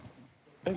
えっ？